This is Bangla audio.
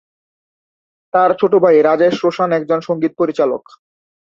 তার ছোট ভাই রাজেশ রোশন একজন সঙ্গীত পরিচালক।